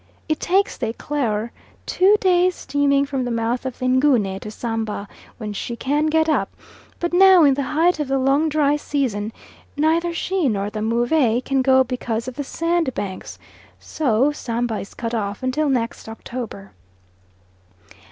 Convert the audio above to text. It takes the Eclaireur two days steaming from the mouth of the Ngunie to Samba, when she can get up; but now, in the height of the long dry season neither she nor the Move can go because of the sandbanks; so Samba is cut off until next October.